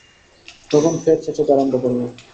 তখন ফের চেঁচাতে আরম্ভ করবে।